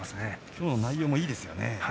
今日の内容もいいですよね。